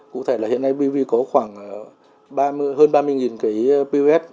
cụ thể là hiện nay pv có khoảng hơn ba mươi cái pos